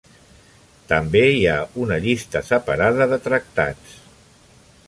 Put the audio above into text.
També hi ha una llista separada de tractats.